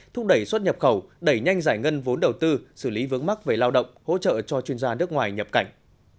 thúc đẩy xuất nhập khẩu đẩy nhanh giải ngân vốn đầu tư xử lý vướng mắc về lao động hỗ trợ cho chuyên gia nước ngoài nhập cảnh